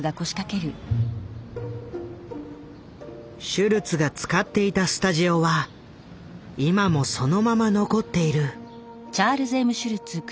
シュルツが使っていたスタジオは今もそのまま残っている。